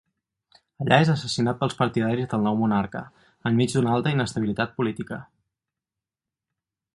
Allà és assassinat pels partidaris del nou monarca, enmig d'una alta inestabilitat política.